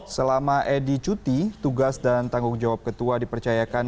selama edi cuti tugas dan tanggung jawab ketua dipercayakan